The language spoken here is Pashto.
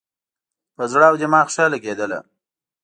پر زړه او دماغ ښه لګېدله.